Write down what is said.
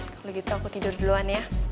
kalau gitu aku tidur duluan ya